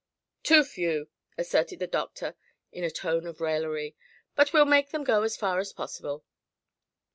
"Too few," asserted the doctor in a tone of raillery, "but we'll make them go as far as possible.